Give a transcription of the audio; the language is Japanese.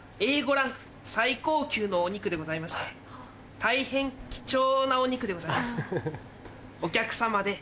５ランク最高級のお肉でございまして大変貴重なお肉でございます。